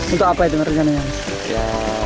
untuk apa itu rencana